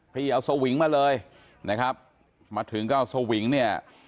พี่เอาสวิงมาเลยนะครับมาถึงก็เอาสวิงเนี่ย